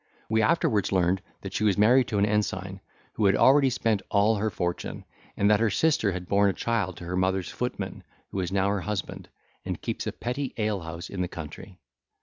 We afterwards learned that she was married to an ensign, who had already spent all her fortune; and that her sister had borne a child to her mother's footman, who is now her husband, and keeps a petty alehouse in the country.